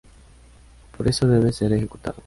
Por eso debe ser ejecutado.